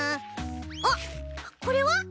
あっこれは？